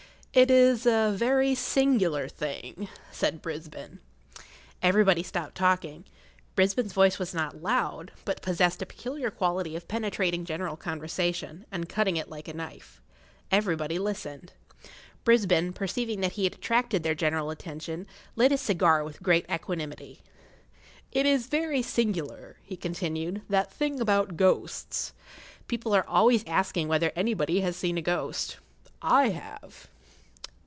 "It is a very singular thing," said Brisbane. Everybody stopped talking.[Pg 8] Brisbane's voice was not loud, but possessed a peculiar quality of penetrating general conversation, and cutting it like a knife. Everybody listened. Brisbane, perceiving that he had attracted their general attention, lit his cigar with great equanimity. "It is very singular," he continued, "that thing about ghosts. People are always asking whether anybody has seen a ghost. I have."